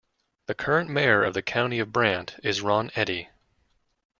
The current mayor of the County of Brant is Ron Eddy.